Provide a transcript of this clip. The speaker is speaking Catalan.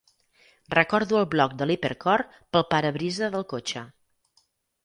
Recordo el bloc de l'Hipercor pel parabrisa del cotxe.